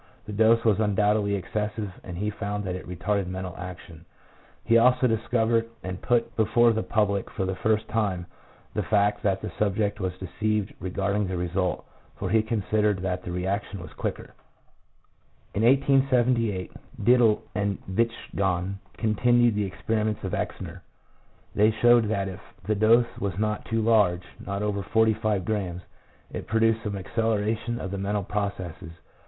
The dose was undoubtedly ex cessive, and he found that it retarded mental action ; he also discovered and put before the public for the first time the fact that the subject was deceived re garding the result, for he considered that the reaction was quicker. In 1878 Dietl and Vintschgan continued the ex periments of Exner. They showed that if the dose was not too large, — not over 45 grammes, — it produced 1 J. J. Abel, ibid., p. 127. INTELLECT (NOT INCLUDING MEMORY). 97 some acceleration of the mental processes.